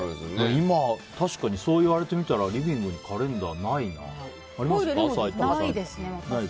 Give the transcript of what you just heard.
今、確かにそういわれてみたらリビングにカレンダーないな。